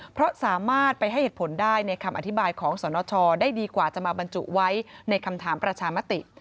เพราะสามารถไปให้เหตุผลได้ในคำอธิบายของสนชได้ดีกว่าจะมาบรรจุไว้ในคำถามประชามติ